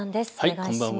こんばんは。